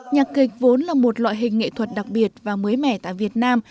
nhạc kịch vốn là một loại hình nghệ thuật đặc biệt và mới mẻ tại việt nam